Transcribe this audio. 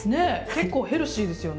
結構ヘルシーですよね。